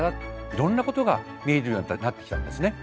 いろんなことが見えるようになってきたんですね。